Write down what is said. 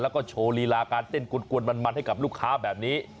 แล้วก็โชว์ลีลาการเต้นกวนมันให้กับลูกค้าแบบนี้